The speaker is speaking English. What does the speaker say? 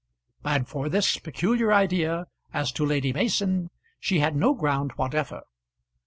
And for this peculiar idea as to Lady Mason she had no ground whatever.